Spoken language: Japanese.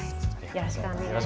よろしくお願いします。